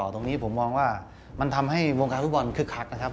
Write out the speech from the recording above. ตรงนี้ผมมองว่ามันทำให้วงการฟุตบอลคึกคักนะครับ